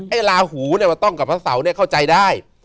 ลาหูเนี่ยมันต้องกับพระเสาเนี่ยเข้าใจได้